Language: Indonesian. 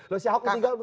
loh si ahok ketiga